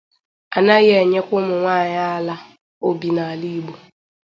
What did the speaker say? A naghị enyekwa ụmụ nwaanyị ala obi n'ala Igbo